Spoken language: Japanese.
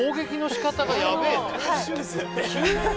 急に？